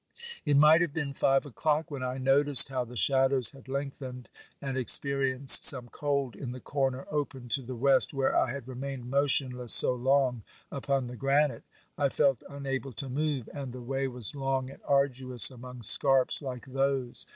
It might have been five o'clock when I noticed how the shadows had lengthened, and experienced some cold in the corner open to the West where I had remained motionless so long upon the granite. I felt unable to move, and the way was long and arduous among scarps like those.